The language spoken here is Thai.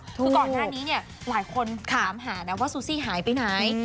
คือก่อนหน้านี้เนี่ยหลายคนถามหานะว่าซูซี่หายไปไหน